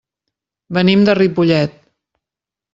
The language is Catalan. Venim de Ripollet.